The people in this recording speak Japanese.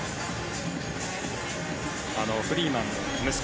フリーマンの息子